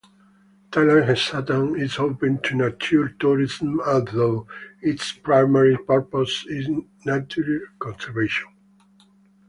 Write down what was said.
Talang Satang is open to nature tourism although its primary purpose is nature conservation.